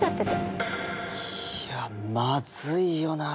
いやまずいよな